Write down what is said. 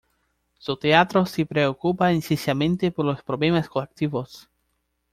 Su teatro se preocupa esencialmente por los problemas colectivos.